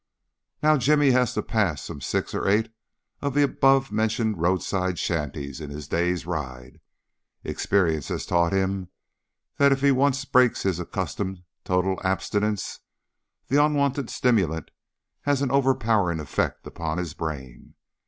Now Jimmy has to pass some six or eight of the above mentioned roadside shanties in his day's ride, and experience has taught him that if he once breaks his accustomed total abstinence, the unwonted stimulant has an overpowering effect upon his brain.